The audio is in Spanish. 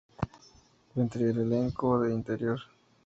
Entre el elenco de "Interior.